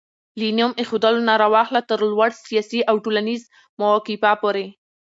له نوم ايښودلو نه راواخله تر لوړ سياسي او ټولنيز موقفه پورې